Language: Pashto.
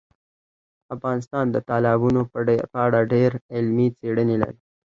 افغانستان د تالابونو په اړه ډېرې علمي څېړنې لري.